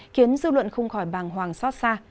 khiến dư luận không khỏi bàng hoàng xót xa